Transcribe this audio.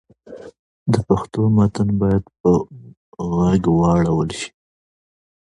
د پښتو متن باید په ږغ واړول شي.